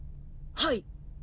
はい。